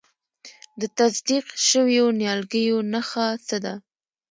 د تصدیق شویو نیالګیو نښه څه ده؟